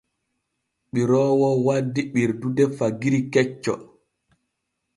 Ɓiroowo waddi ɓirdude fagiri kecce.